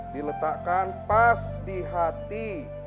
diletakkan pas di hati